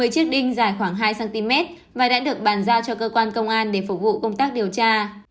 một mươi chiếc đinh dài khoảng hai cm và đã được bàn giao cho cơ quan công an để phục vụ công tác điều tra